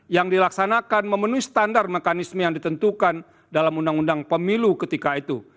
yang dilaksanakan memenuhi standar mekanisme yang ditentukan dalam undang undang pemilu ketika itu